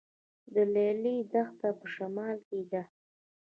د لیلی دښته په شمال کې ده